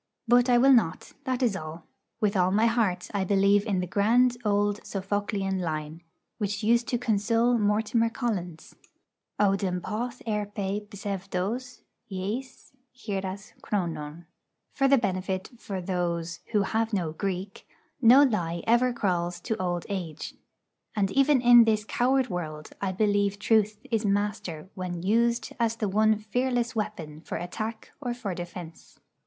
But I will not, that is all. With all my heart I believe in the grand old Sophoclean line, which used to console Mortimer Collins: Οὐδεν ποθ' ἑρπει ψευδος εἰς γηρας χρονον. For the benefit for those who have no Greek: 'No lie ever crawls to old age.' And even in this coward world I believe truth is master when used as the one fearless weapon, for attack or for defence.